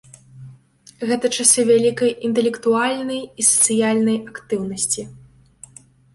Гэта часы вялікай інтэлектуальнай і сацыяльнай актыўнасці.